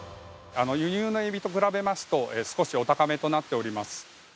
輸入のエビと比べますと、少しお高めとなっております。